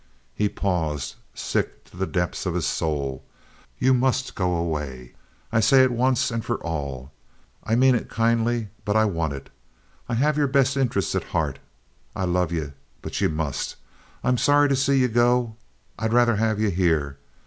He paused, sick to the depths of his soul. "Ye must go away. I say it once and for all. I mane it kindly, but I want it. I have yer best interests at heart. I love ye; but ye must. I'm sorry to see ye go—I'd rather have ye here.